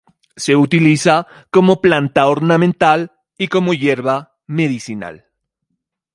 Se utiliza como planta ornamental y como hierba medicinal.